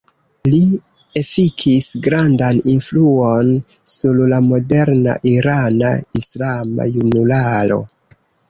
Li efikis grandan influon sur la moderna irana islama junularo.